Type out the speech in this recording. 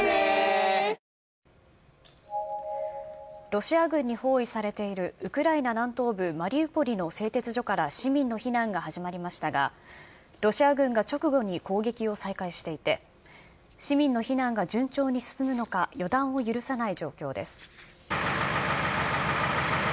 ロシア軍に包囲されているウクライナ南東部マリウポリの製鉄所から市民の避難が始まりましたが、ロシア軍が直後に攻撃を再開していて、市民の避難が順調に進むのか、予断を許さない状況です。